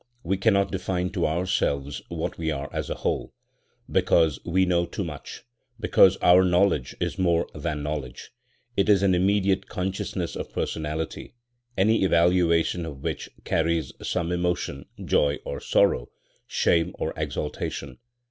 We cannot define to ourselves what we are as a whole, because we know too much; because our knowledge is more than knowledge. It is an immediate consciousness of personality, any evaluation of which carries some emotion, joy or sorrow, shame or exaltation.